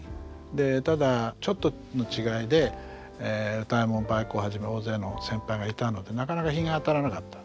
ただちょっとの違いで歌右衛門梅幸はじめ大勢の先輩がいたのでなかなか日が当たらなかった。